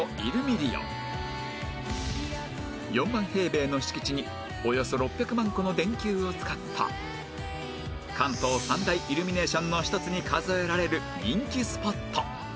４万平米の敷地におよそ６００万個の電球を使った関東三大イルミネーションの１つに数えられる人気スポット